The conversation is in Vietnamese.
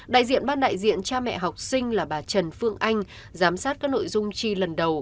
đại diện ban đại diện cha mẹ học sinh là bà trần phương anh giám sát các nội dung chi lần đầu